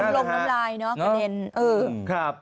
ลงรายเนอะเคยเด็น